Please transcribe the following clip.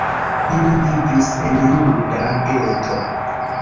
Ili vivis en juda geto.